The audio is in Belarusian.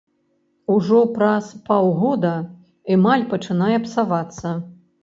Ужо праз паўгода эмаль пачынае псавацца.